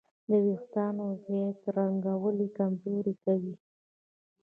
د وېښتیانو زیات رنګول یې کمزوري کوي.